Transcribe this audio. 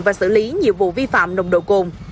và xử lý nhiều vụ vi phạm nồng độ cồn